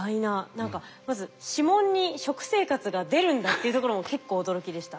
何かまず指紋に食生活が出るんだっていうところも結構驚きでした。